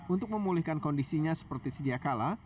untuk memulihkan kondisinya seperti sedia kala